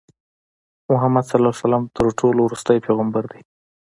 محمدﷺ تر ټولو ورستی پیغمبر دی.